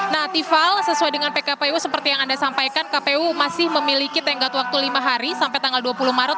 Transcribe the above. nah tiffal sesuai dengan pkpu seperti yang anda sampaikan kpu masih memiliki tenggat waktu lima hari sampai tanggal dua puluh maret